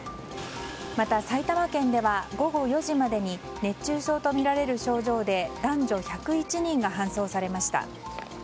また、埼玉県では午後４時までに熱中症とみられる症状で男女１０１人が搬送されました。